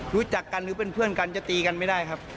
รู้จักกันหรือเป็นเพื่อนกันจะตีกันไม่ได้ครับ